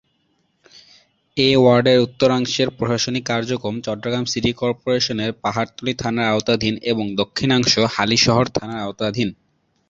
এ ওয়ার্ডের উত্তরাংশের প্রশাসনিক কার্যক্রম চট্টগ্রাম সিটি কর্পোরেশনের পাহাড়তলী থানার আওতাধীন এবং দক্ষিণাংশ হালিশহর থানার আওতাধীন।